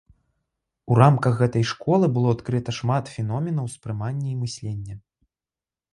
У рамках гэтай школы было адкрыта шмат феноменаў ўспрымання і мыслення.